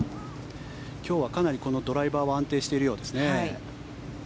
今日はかなりドライバーは安定しているようですね。